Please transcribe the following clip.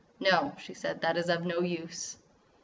"No," she said, "that is of no use."